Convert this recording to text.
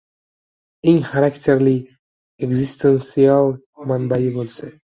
eng xarakterli ekzistensial manbai bo‘lsa